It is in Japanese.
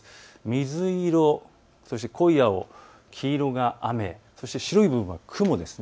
水色、そして濃い青、黄色が雨、そして白い部分は雲です。